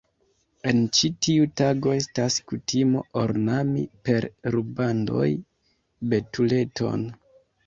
En ĉi tiu tago estas kutimo ornami per rubandoj betuleton.